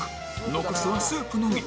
残すはスープのみ